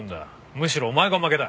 むしろお前がオマケだ。